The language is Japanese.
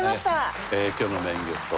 今日のメインゲスト